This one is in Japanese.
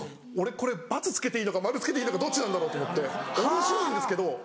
俺これバツつけていいのかマルつけていいのかどっちなんだろうと思っておもしろいんですけど。